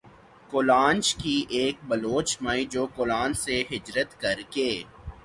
کولانچ کی ایک بلوچ مائی جو کولانچ سے ھجرت کر کے